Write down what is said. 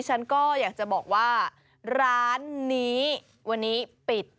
ฉันก็อยากจะบอกว่าร้านนี้วันนี้ปิด